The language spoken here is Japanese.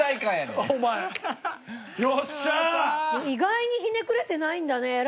意外にひねくれてないんだね。